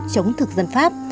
chống thực dân pháp